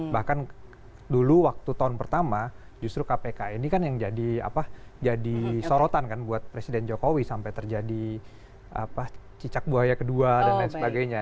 bahkan dulu waktu tahun pertama justru kpk ini kan yang jadi sorotan kan buat presiden jokowi sampai terjadi cicak buaya kedua dan lain sebagainya